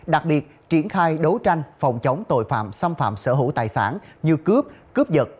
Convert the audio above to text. đặc biệt triển khai đấu tranh phòng chống tội phạm xâm phạm sở hữu tài sản như cướp cướp giật